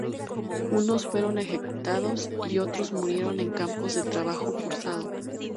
Unos fueron ejecutados y otros murieron en campos de trabajo forzado.